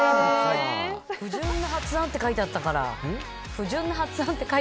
不純な発案って書いてあったから。